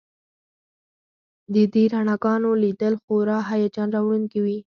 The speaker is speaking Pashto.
د دې رڼاګانو لیدل خورا هیجان راوړونکي وي